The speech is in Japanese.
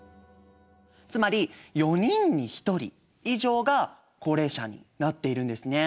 つまり４人に１人以上が高齢者になっているんですね。